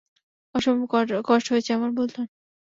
অসম্ভব কষ্ট হয়েছে আমার, বুঝলেন।